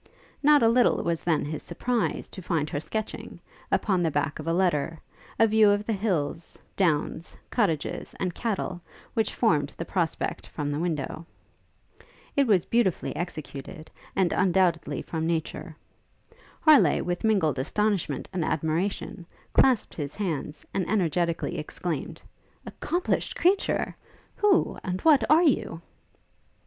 Not a little was then his surprize to find her sketching, upon the back of a letter, a view of the hills, downs, cottages, and cattle, which formed the prospect from the window. It was beautifully executed, and undoubtedly from nature. Harleigh, with mingled astonishment and admiration, clasped his hands, and energetically exclaimed, 'Accomplished creature! who ... and what are you?'